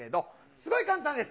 すごい簡単です。